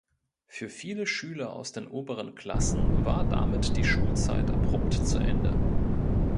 Für viele Schüler aus den oberen Klassen war damit die Schulzeit abrupt zu Ende.